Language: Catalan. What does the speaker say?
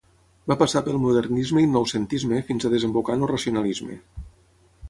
Va passar pel modernisme i el noucentisme fins a desembocar en el racionalisme.